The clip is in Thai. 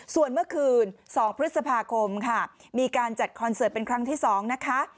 ส่วนเมื่อคืน๒พฤษภาคมค่ะมีการจัดคอนเสิร์ตเป็นครั้งที่๒นะคะ